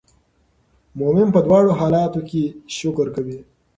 مؤمن په دواړو حالاتو کې شکر کوي.